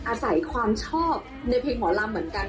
อาศัยความชอบในเพลงหมอลำเหมือนกัน